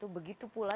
apel tidak rapuh kanw